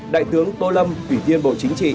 đại tướng tô lâm quỷ viên bộ chính trị